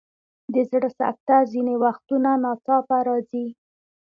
د زړه سکته ځینې وختونه ناڅاپه راځي.